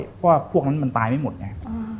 เพราะว่าพวกนั้นมันตายไม่หมดไง